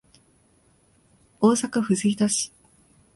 大阪府吹田市